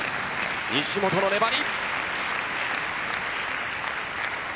西本の粘り。